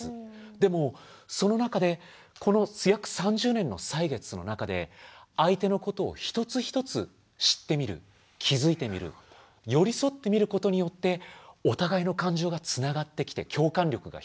でもその中でこの約３０年の歳月の中で相手のことを一つ一つ知ってみる気付いてみる寄り添ってみることによってお互いの感情がつながってきて共感力が広がっていく。